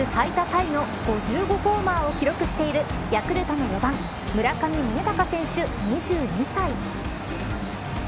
タイの５５ホーマーを記録しているヤクルトの４番村上宗隆選手、２２歳。